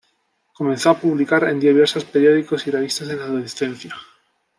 Comenzó a publicar en diversos periódicos y revistas en la adolescencia.